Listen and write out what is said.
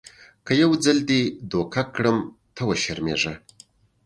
که یو ځل دې دوکه کړم ته وشرمېږه .